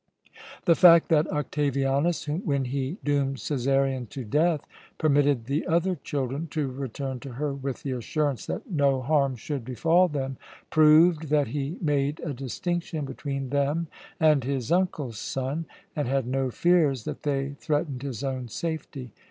The fact that Octavianus, when he doomed Cæsarion to death, permitted the other children to return to her with the assurance that no harm should befall them, proved that he made a distinction between them and his uncle's son, and had no fears that they threatened his own safety.